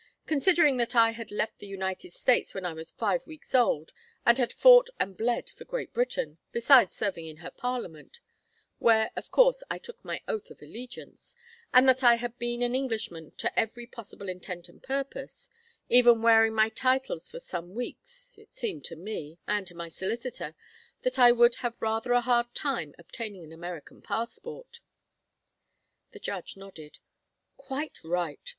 Considering that I had left the United States when I was five weeks old, and had fought and bled for Great Britain, besides serving in her Parliament where, of course I took my oath of allegiance and that I had been an Englishman to every possible intent and purpose, even wearing my titles for some weeks, it seemed to me and to my solicitor that I would have rather a hard time obtaining an American passport." The judge nodded. "Quite right.